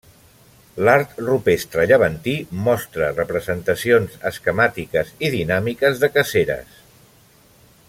L'art rupestre llevantí mostra representacions esquemàtiques i dinàmiques de caceres.